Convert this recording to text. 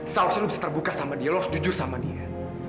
seharusnya lu bisa terbuka sama dia lu harus jujur sama dia